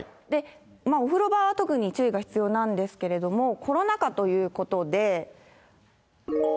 お風呂場は特に注意が必要なんですけれども、コロナ禍ということで。